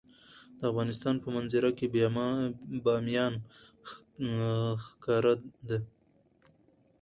د افغانستان په منظره کې بامیان ښکاره ده.